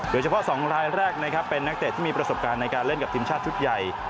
โดยเฉพาะ๒รายแรกนะครับเป็นนักเตะที่มีประสบการณ์ในการเล่นกับทีมชาติชุดใหญ่